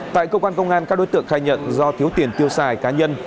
tại công an các đối tượng khai nhận do thiếu tiền tiêu xài cá nhân